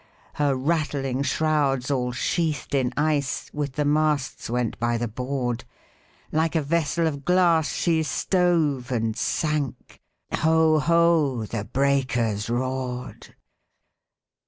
Her rattling shrouds, all sheathed in ice, With the masts went by the board; Like a vessel of glass, she stove and sank, Ho! ho! the breakers roared!